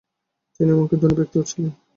তিনি এমনকি ধনী ব্যক্তিও ছিলেন না।